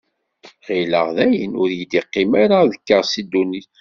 Ɣilleɣ dayen ur yi-d-yeqqim ara ad kkeɣ si ddunit.